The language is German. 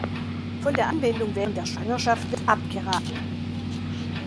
Von der Anwendung während der Schwangerschaft wird abgeraten.